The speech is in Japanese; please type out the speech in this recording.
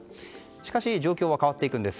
しかし状況は変わっていきます。